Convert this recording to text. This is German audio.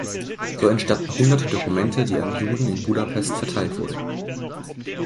So entstanden hunderte Dokumente, die an Juden in Budapest verteilt wurden.